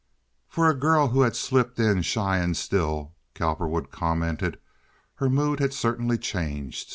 For a girl who had slipped in shy and still, Cowperwood commented, her mood had certainly changed.